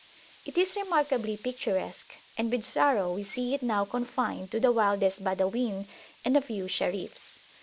It is remarkably picturesque, and with sorrow we see it now confined to the wildest Badawin and a few Sharifs.